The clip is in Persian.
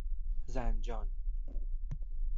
زنجان